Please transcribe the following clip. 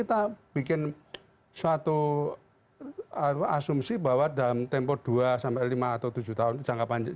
tapi kan itu mekanisme dbi itu satu hal pak